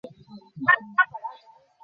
Hello, বস!